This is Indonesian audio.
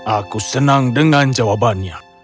aku senang dengan jawabannya